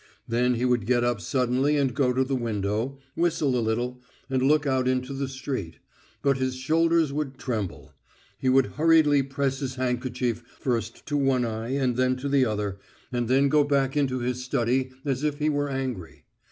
Then he would get up suddenly and go to the window, whistle a little, and look out into the street, but his shoulders would tremble. He would hurriedly press his handkerchief first to one eye and then to the other, and then go back into his study as if he were angry.